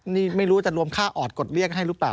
นี่ไม่รู้จะรวมค่าออดกดเรียกให้หรือเปล่า